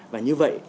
và như vậy